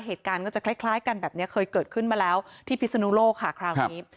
เหตุการณ์ก็จะคล้ายกันแบบนี้เคยเกิดขึ้นมาแล้วที่พิศนุโลกค่ะคราวนี้